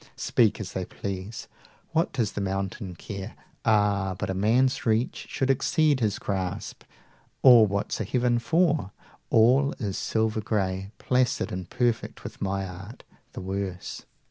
95 Speak as they please, what does the mountain care? Ah, but a man's reach should exceed his grasp, Or what's a heaven for? All is silver gray Placid and perfect with my art: the worse!